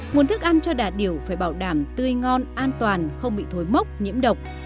nguồn thức ăn cho đà điểu phải bảo đảm tươi ngon an toàn không bị thối mốc nhiễm độc